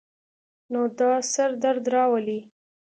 نو دا سر درد راولی